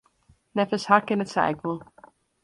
Neffens har kin it sa ek wol.